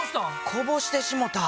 こぼしてしもた。